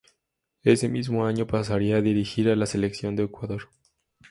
Ese mismo año pasaría a dirigir a la Selección de Ecuador.